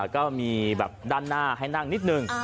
ก็มีแบบด้านหน้าให้นั่งนิดนึง